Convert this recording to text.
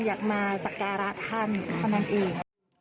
อยากมาสักการะท่านเท่านั้นเอง